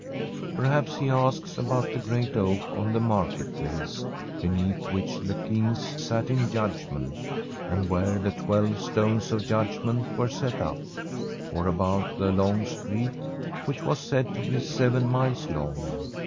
Perhaps he asks about the great oak on the Market rlace, beneath which the Kings sat in From a SfTEDISH HOMESTEAD judgment, and where the twelve stones of judg ment were set up. Or about the long street, which was said to be seven miles long